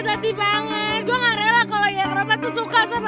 tapi ga enak ya sama si bella